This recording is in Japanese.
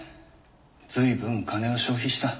随分金を消費した。